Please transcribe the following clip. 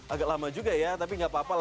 agak lama juga ya tapi gak apa apa lah ya